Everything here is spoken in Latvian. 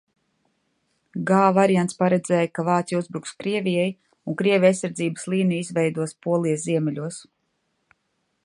G variants paredzēja, ka Vācija uzbruks Krievijai, un krievi aizsardzības līniju izveidos Polijas ziemeļos.